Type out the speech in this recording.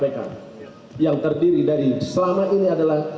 pegawai kpk yang terdiri dari selama ini adalah